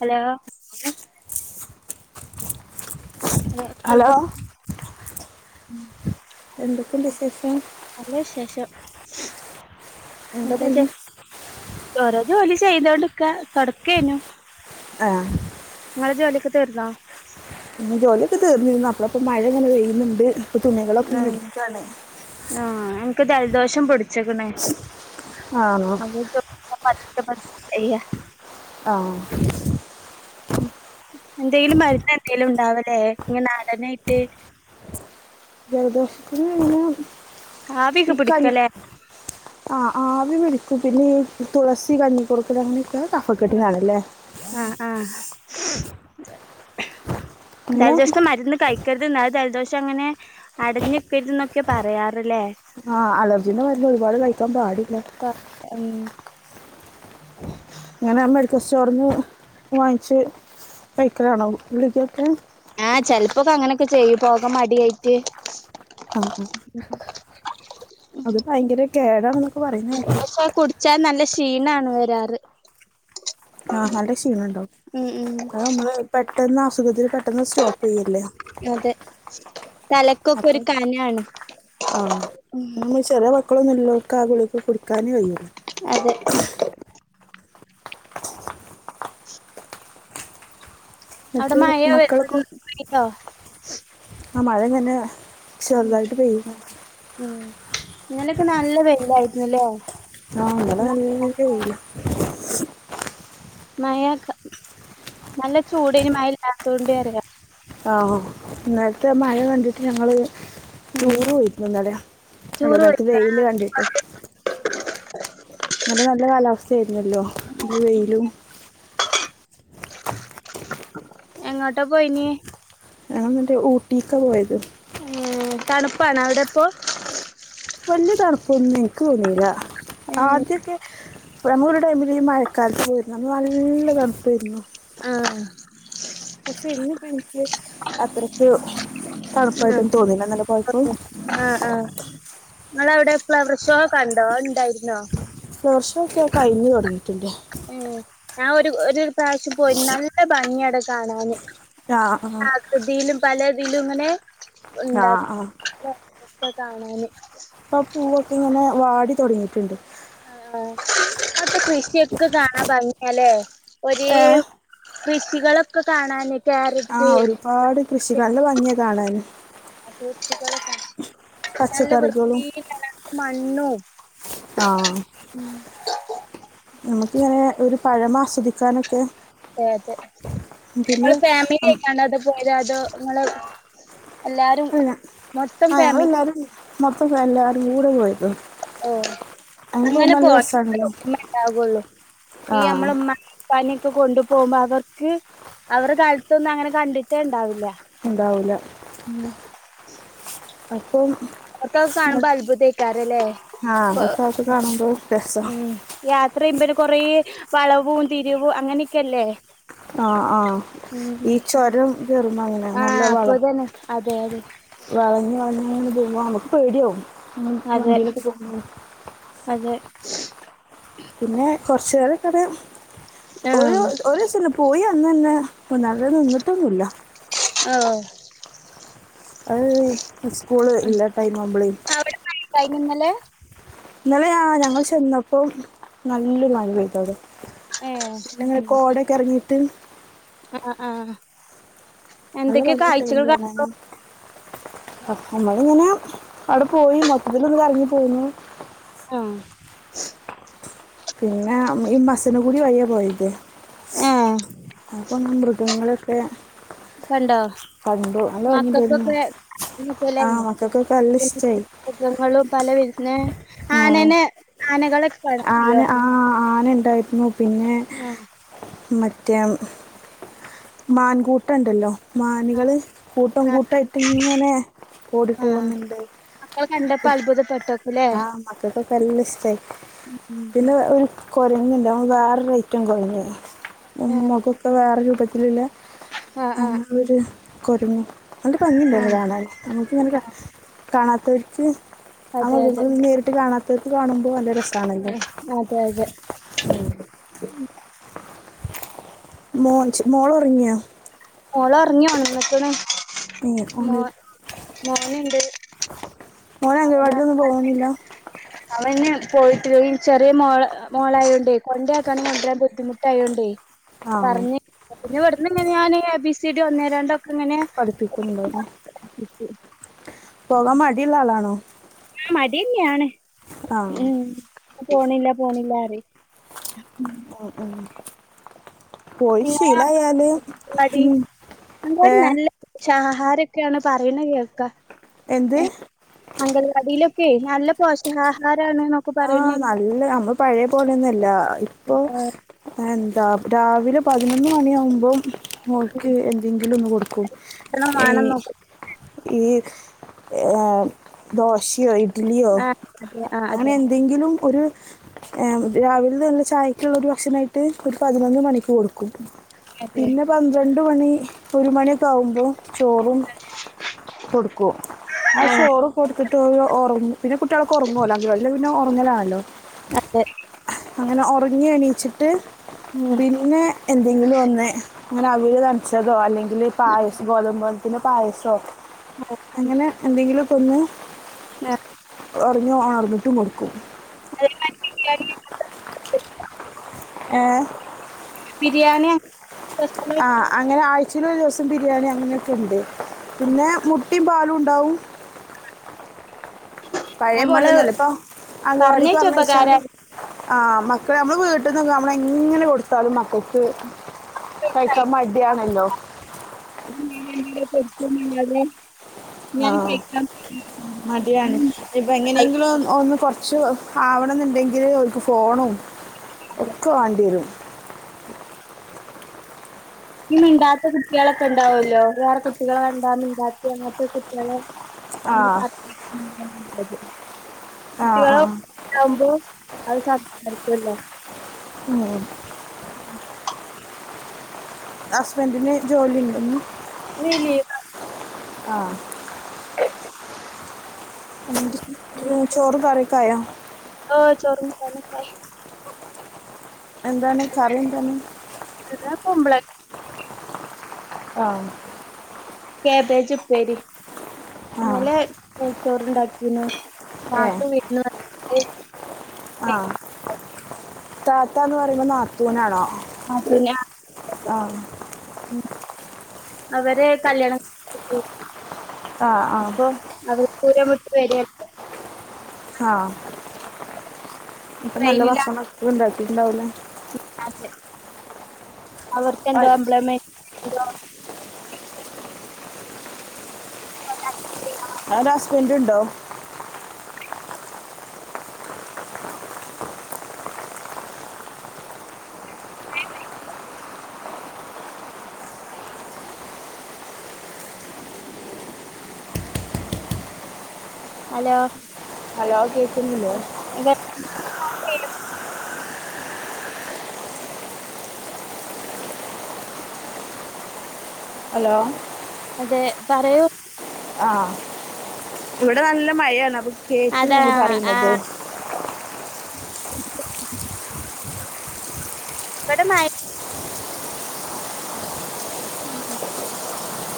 Hello hello [inaudible] [inaudible] [inaudible] എന്തൊക്കെയുണ്ട് വിശേഷം നല്ല വിശേഷം [inaudible] എന്താ പണി ഓരോ ജോലി ചെയ്തുകൊണ്ടിരിക്കുക തുടക്കേനു ആഹ നിങ്ങടെ ജോലിയൊക്കെ തീർന്നാേ ജോലിയൊക്കെ തീർന്നു നമ്മൾ ഇപ്പോൾ മഴ നനഞ്ഞു ചെയ്യുന്നുണ്ട് [unintelligible] ഇപ്പൊ തുണകളൊക്കെ ഉം എടുക്കാണ് ആഹ് എനിക്ക് ജലദോഷം പിടിച്ചക്കണേ ആണോ [unintelligible] [unintelligible] ആ ഉ എന്തെങ്കിലും മര്ന്ന് എന്തെലും ഇണ്ടാവലേ ഇങ്ങ നാടനായിട്ട് ജൽദോഷത്തിന് ഇങ്ങനെ ആവിയൊക്കെ ഇക്ക പിടിക്കലേ ആ ആവി പിടി- പിന്നെ തുളസി കഞ്ഞിക്കൂർക്കലങ്ങനെ ങ്ങക്ക് കഫക്കെട്ടാ ണ്ല്ലേ ആഹ് ആഹ് അങ്ങനെ ജൽദോശത്തിന്റെ മരുന്ന് കഴിക്കർത് ന്നാ ജ ജൽദോഷം അങ്ങനെ അട്ഞ്ഞിക്കരുതന്നൊക്കെ പറയാറ്ലേ ആ അലർജിന്റെ മര്ന്ന് ഒരുപാട് കഴിക്കാൻ പാടില്ല [inaudible] ങ്ങനെ മെഡിക്കൽ സ്റ്റോറിന്ന് വാങ്ങിച്ച് കഴിക്കലാണോ ഗുളിക്കൊക്കെ ആ ചെൽപ്പോക്കെ അങ്ങനൊക്കെ ചെയ്യു പോകാൻ മടിയായിട്ട് ആ ആ അത് ഭയങ്കര കേടാണ് പക്ഷെ കുടിച്ചാ നല്ല- ക്ഷീണാണ് വരാറ് ആഹ് നല്ല ക്ഷീണം ഉണ്ടാവും ഉം ഉം അത് നമ്മള് പെട്ടെന്ന് അസു ത്തിന് [unintelligible] പെട്ടന്ന് സ്റ്റോപ്പ് ചെയ്യല്ലേ അതെ തലക്കൊക്കെ ഒരു അപ്പം കനാണ്. ആ ഇക്കാദ്യേ ളിക കുടിക്കാനേ വയ്യാ അതെ അവിടെ എന്നിട്ട് മയ വെ മക്കളൊക്കെ ഉം പെയ്യ്ണ്ടോ? അ മഴങ്ങനെ ഉം ചേർതായിട്ട് പെയ്യ്ണ് ഉം ഇന്നലൊക്കെ നല്ല വെയിലായിരുന്ന്ല്ലേ? ആഹ് ഇവ്ടെ നല്ല വെയ്ലാ മഴക്ക നല്ല ചൂടേഞ്ഞി മഴല്ലാത്തൊണ്ട് റയാ ആഹ് ആഹ് ഇന്നൽത്തെ മഴ കണ്ടിട്ട് ഞങ്ങള് ഉം ടൂറ് പോയിക്കെ ന്നെലെ ടൂറ് [unintelligible] പോയിരുന്നോ വെയില് കണ്ടിട്ട് ഇന്നലെ നല്ല കാലാവസ്ഥയായിരുന്നല്ലോ ഒരു വെയിലും എങ്ങോട്ടാ പോയീഞേ? ഞങ്ങള് ന്നട്ട് ഊട്ടീക്ക പോയത്. ഏഹ് തണുപ്പാണോ അവിടെപ്പോ? വല്യ തണുപ്പൊന്നും എനിക്ക് തോന്നീല. ആഹ് അദ്യൊക്കെ നമ്മ [unintelligible] ഒരു ടൈമില് ഈ മഴക്കാലത്ത് പോയിരുന്നു അന്ന് നല്ല തണുപ്പേരുന്നു ആഹ് പക്ഷെ ഇന്ന്പ്പം ഇൻക്ക് അത്രക്ക് തണുപ്പായിട്ടൊന്നും തോന്നിന്നല്ല ഇന്നന്ന പോഴപ്പം ഇങ്ങള് ഔടെ ഫ്ലവർഷോ കണ്ടോ അഹ് ഇണ്ടായിരുന്നോ ദോർഷമൊക്കെക കഴിഞ്ഞഞ് തുടങ്ങി ഊം ഞാൻ ഒരു ഒരു പ്രാവശ്യം പോയിര്ന്നു നല്ല ഭംഗിയാടഹ് കാണാന് ആ ആ ആഹ് കൃതിലും പലേ- തിലുങ്ങനെ ആ ഉണ്ടാക്ക ഇതാക്ക ക്കൊ കാണാന് പ പ്പൂവൊക്കിങ്ങനെ വാടി തൊടങ്ങിട്ട്ണ്ട് ആ അപ്പ കൃഷിയൊക്കെ കാണാ ഭംഗിയലെ ഏ ഒരേം കൃഷികളൊക്കെ കാണാന് ക്യാര ആ ഒരുപാട് കൃഷിക നല്ല ഭംഗ്യാ കാണാന് [inaudible] നല്ല പച്ചക്കറികളും വൃത്തീല് ങ്ങനെ മ എണ്ണൂ ആ നമുക്കിങ്ങനെ ഒരു പഴമാസ്വദിക്കാനൊക്കെ അതെ ഇങ്ങള് ഉം, ഫാമില്യയിക്കാണ്ട അത പോയതാ തോ നിങ്ങള് എല്ലാരും അല്ല മൊത്തം ആ ഫാമിലി ഞങ്ങളെല്ലാരും മൊ ഇപ്പെ എല്ലാരും കൂടെ പോയി ഓ അങ്ങനെ നല്ല പോണം [unintelligible] രസമാണല്ലോ ഒരുമ്മണ്ടാ ക്കൊള്ളൂ ആ ഈ അമ്മളെ ഇമ്മാനെ ഇപ്പാനി കൊ കൊണ്ടു പോകുമ്പോ അവർക്ക് അവരെ കാലത്തൊന്നും അങ്ങനെ കണ്ടിട്ടേ ണ്ടാവില്ല ഇണ്ടാവൂല്ല ഉ അ ഓര്ക്ക ഒക്കെ കാണുമ്പോ അത്ഭുതേക്കാരല്ലേ ആ ഒരാൾക്ക് കാണുമ്പോൾ രസം ഉം യാ ഇത്രയും പേര് കൊറേ വളവും തിരിവും അങ്ങനെക്കെല്ലേ ആ ആ ഈ ചൊരം കേറുമ്പങ്ങനെ നല്ല ആഹ് വള അപ്പൊതന്നെ അതെ യതെ വളഞ്ഞ് വളഞ്ഞങ്ങനെ പോ വും അമ്മക്ക് പേട്യാ വും ഉം അതെ വണ്ടി ലൊക്കെ പോ [unintelligible] അതെ പിന്നെ കൊർച്ചേരൊക്കട് ഒരു ആഹ് ഒരുസല്ലേ പോയ അന്നന്നെ [unintelligible] നിന്നിട്ടൊന്നുല്ല ആ അഅ് സ്കൂള് ഇല്ലാ ടൈം ആവുമ്പ ളെ കൈഞ്ഞോന്നലെ ഇന്നലെയ ആ ഞങ്ങൾ ചെന്നപ്പോ നല്ലൊരു മഴ പെയത അത് ഏഹ് പിങ്ങ കോഓടൊക്കെ ഇറങ്ങി ത്ത് ആഹ ആഹ് എന്തൊക്കെയ കാഴ്ചകൾ കാ നമ്മള ഇങ്ങനെ അവിടെ പോയി മൊത്തത്തിൽ ഒന്ന ഇറങ്ങി പോുന്നു ആഹ പിന്നെ ഈ മസന് കുടി വയിയ പോയത് ഏഹ് അപ്പൊ മൃഗങ്ങളെെ ക്കെ കണ്ടോ ഭംഗിയുണ്ടായിരുന്നു മക്കൾക്കൊക്കെ [unintelligible] ആ മക്കൾക്കൊക്കെ നല്ല ഇഷ്ടമായി തല വരുന്നത് ആനനെ ആനകളൊക്കെ വേണിയോ ടൈപ്പിംഗ പിന്നെ മ റ്റെ മാൻകൂട്ടണ്ടല്ലോ മാനികള് കൂട്ടം ആഹ് കൂട്ടമായിട്ട് ഇങ്ങനെ ഓടി ആഹ് പോകുന്നുണ്ട് മക്കൾ കണ്ടപ്പോ അത്ഭുതപ്പെട്ട് ആ മക്കൾക്കൊക്കെ നല്ല ഇഷ്ടമായി ഉം പിന്നെ യ് കുരങ്ങില്ലാ വേറെ ഐറ്റം കുരങ്ങ് ഉം ആഹ് മുഖേക്കേ വേറെ രുപ ആഹ് [unintelligible] ആഹ് അങ്ങനെ ഒര് കൊടരങ് നല്ല ഭംഗിയുണ്ടാര്ന്ന് ആഹ് കാണാൻ നമുക്കിങ്ങനെ ര ആഹ് കാണാത്തവരക്ക് അതെ അതെ [unintelligible] നേരിട്ട് കാണാത്തവർക്ക് കാണുമ്പോ നല്ല രെസാണല്ലോ അതെ അതെ ഉം മോച്ച് മോള് ഒറങ്ങിയോ മോളോറങ്ങി ണന്ന്ക്ക്ണ് ഏ ഓന് മോനെണ്ട് മോന് അംഗാവാടിലൊന്നും പോവണില്ല അവന് പോയിട്ട് ഈ ചെറിയ മോള് മോളാ ആയോണ്ടേ കൊണ്ടാക്കാൻ ഭയങ്കരാ ബുദ്ധിമെട്ടായോണ്ടേ ആ പറഞ്ഞ് പറഞ്ഞ് വിട്ന്ന് പിന്നെ ഞാന് എ ബി സി ഡി ഒന്നേ രണ്ടൊ പഠിപ്പിക്കന്നെണ്ട് പോകാൻ മടിയുള്ളാ ആളാണോ ആ മടിന്നെയാണ് ആ ഉം പോണില്ല, പോണില്ല പറ ഉം ഉം പോയി നിങ്ങളെ ശീലയാല് അംഗൻവാടി ഉം യെ ച്ചാ ആഹാരൊക്കെയാണ് പറയണേ കേൾക്കാ എന്ത്? ഉം അംഗനവാടിയില് ഓക്കെ നല്ലാ പോഷകാഹാരമാണോ ആ നല്ലാ നമ്മ പഴയാ പോലെയെന്നുംല്ലാ ഇപ്പം എന്താ രാവിലെ പതിനൊന്ന് മണിയാവുമ്പോം മോൾക്ക് എന്തെങ്കിലും ഒന്ന് കൊട [unintelligible] നോക്കും ഈ യെ ദോശയോ ഇ ഡ്‌ഢലിയോ ആഹ് അതെ ആഹ് അങ്ങനെ അതെ എ- ഇതും ഒരു രാവിലെന്നാ ചായക്കൊള്ള ഒര് ഭക്ഷണായിട്ട് ഒര് പതിനൊന്ന് മണിക്ക് കൊടുക്കും അതെ പിന്നെ പന്ത്രണ്ട് ഒരു മണി ഒരു മണിയൊക്കെ ആവും അപ്പോൾ ചോറും കൊടുക്കും ആ ആഹ് ചോറും കൊടുത്തിട്ട് ഉറങ്ങും. പിന്നെ കുട്ടികൾ ഒക്കെ ഉറങ്ങുല്ല [inaudible] പിന്നെ ഉറങ്ങലാണല്ലോ അതെ അങ്ങനെ ഉറങ്ങി എണീറ്റു ട്ട് ഉം പിന്നെ എന്തെങ്കിലും ഒന്ന് അങ്ങനെ അവിൽ നനച്ചിതോ അല്ലെങ്കിൽ ഉം പായസ ഗോതമ്പ് പിന്നെ പായസം അങ്ങനെ എന്തെങ്കിലും കൊന്ന് ആ, എറിഞ്ഞ് അറിഞ്ഞിട്ട് കൊടുക്കും [inaudible] എ ബിരിയാണി അങ്ങനെ ആഹ് അങ്ങനെ ആയി ചില ദിവസം ബിരിയാണി അങ്ങനെയൊക്കെ ഇണ്ട്. പിന്നെ മുട്ടിം പാലും ഇണ്ടാവും പഴേ നമ്മള് പോല്യെന്നല്ല ഇപ്പൊ അംഗനവാടിക്ക് പറഞ്ഞേച്ച പറഞ്ഞയച്ചാല് ഉപകാരാ ആ മക്കൾ നമ്മളെ വീട്ടിന്ന് ന്നൊന്നും നമ്മൾ എങ്ങനെ കൊടുത്താലും ഓക്ക് നമ്മളെ കഴിക്കാ മട്യാണല്ലോ [unintelligible] ഞാൻ ആഹ് കഴിക്കാൻ മടിയാണ് ഇഞ്ഞ്പ്പ എങ്ങനെയെങ്കിലും ഒന്ന് ക്ഷു ആവണന്ന്ണ്ടെങ്കില് ഓൽക്ക് ഫോണും ഒക്കെ വാണ്ടിയരും ഈ മിണ്ടാത്ത കുട്ടിയളൊക്കെ ഉണ്ടാവല്ലോ വേറെ കുട്ടികൾ കണ്ടാ മിണ്ടാത്ത അങ്ങൻത്തെ കുട്ടിയള് ആ ആ കുട്ടികൾ ആ ആവുമ്പോ അത് [inaudible] ഉം ഹസ്ബൻഡന് ജോലി ഉണ്ടെന്ന് ഇന്ന് ലീവാ ആഹ് ചോറ് കറിയൊക്കെയാ? ചോറും എന്താണ് കറിന്തണ് കുമ്പള ആഹ് ക്യാബേജ് ഉപ്പേരി ആ ന്നലേ ചോറണ്ടാക്കീനോ താത്തു വീട്ടിനാത്ത് ആഹ് താത്ത എന്ന് പറയുമ്പോ നത്തൂനാണോ അത് ഞാ [unintelligible] അവരെ കല്യാണം [unintelligible] ആ ആ അപ്പോ അത്- പൂരമുട്ട് വരിയപ്പോ [unintelligible] ആ ഇപ്പ നല്ല ട്രെയിനിലാണ് ഭക്ഷണം എപ്പഴും ഉണ്ടാക്കും വീട്ടിലാവൂലേ [unintelligible] അവർക്ക് എന്തോ എംപ്ലോയ്മെന്റ് - ഇല്ല കൊണ്ടാക്കി അ [unintelligible] പേടിയുണ്ടോ [unintelligible] അലോ ഹലോ കേ [unintelligible] ആഹ് പെയ്യും ഹലോ അതെ പറയൂ ആഹ് ഇവിടെ നല്ല മഴയാണ് അത് കേൾക്കുന്നോ അതാ ഞങ്ങൾ ആ പറയുന്നത്? [unintelligible] ഇവടെ മ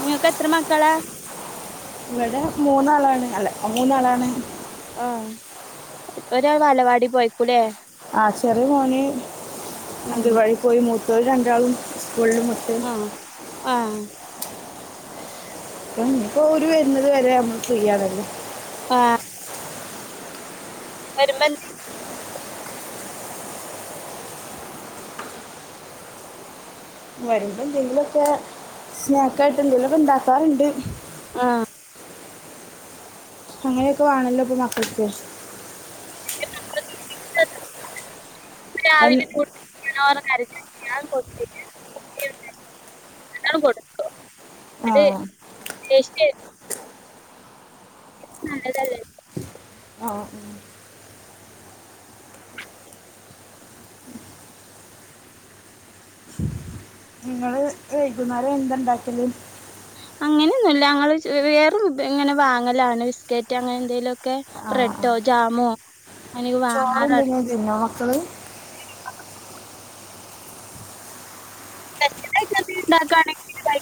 നിങ്ങക്കെത്ര മക്കളാ? ഇവിടെ മൂന്നാളാണ്. അല്ല മൂന്നാളാണ്. ആഹ് ഒരാള് ബാലവാടി പോയേക്കൂലേ? ആഹ് ചെറിയ മോന് ഉം അങ്കണവാടി പോയ് മൂ ത്തത് രണ്ടാളും വള്ളുമുട്ടെ ആഹ് ഇപ്പൊ അവരു വെ രുന്നത് വരേ നമ്മള് ചെയ്യാറുള്ളു. ആ ഒരു മന്ത് [unintelligible] വരുമ്പോ എന്തെങ്കിലുംയൊക്കെ സ്നാക്ക് ആയിട്ട് എന്തേലുംയൊക്കെ ഇണ്ടാക്കാറുണ്ട് ആഹ് അങ്ങനെയൊക്കെ വേണല്ലോ ഇപ്പൊ മക്കക്ക് [inaudible] ഇന്ന് രാവിലെ എൻ- [unintelligible] കൊ കൊടുക്കുവ ആ അത് ടേസ്റ്റ് - നല്ലതല്ലേ ആ നിങ്ങൾ വൈകുന്നേരം എന്തൊണ്ടക്കല് അങ്ങനെയൊന്നുയില്ല ഞങ്ങള് വേറ ഇങ്ങനെ വാങ്ങലാണ് ബിസ്ക്കറ്റ് അങ്ങനെ എന്തെലും ഒക്കെ ഓക്കെ ആ ആ ബ്രെഡോ ജാമോ അങ്ങനെയൊക്കെ ചോറ് വാങ്ങാറാണ് ഉണ്ട് ഇങ്ങനെ തിന്നുവോ അതെ ണ്ടാക്കണെങ്കിൽഴ